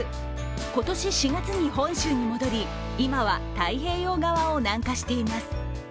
今年４月に本州に戻り今は太平洋側を南下しています。